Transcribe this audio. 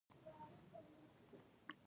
ایا زه باید د معدې ټسټ وکړم؟